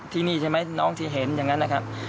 ที่นี่ใช่ไหมน้องที่เห็นอย่างนั้นนะครับ